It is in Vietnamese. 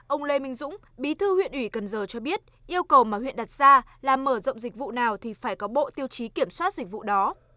ông lê minh dũng bí thư huyện ủy cần giờ cho biết yêu cầu mà huyện đặt ra là mở rộng dịch vụ nào thì phải có bộ tiêu chí kiểm soát dịch vụ đó